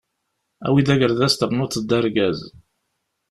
Awi-d agerdas ternuḍ-d argaz!